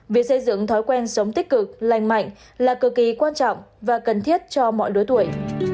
việc xây dựng thói quen sống tích cực lành mạnh là cực kỳ quan trọng và cần thiết cho mọi lứa tuổi